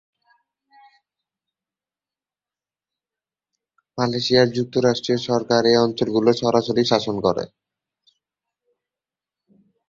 মালয়েশিয়ার যুক্তরাষ্ট্রীয় সরকার এ অঞ্চলগুলো সরাসরি শাসন করে।